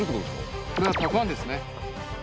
これはたくあんですね。